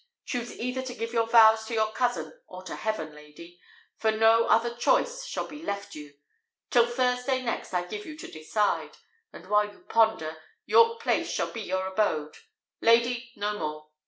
Choose either to give your vows to your cousin or to heaven, lady; for no other choice shall be left you. Till Thursday next I give you to decide; and while you ponder, York Place shall be your abode. Lady, no more!"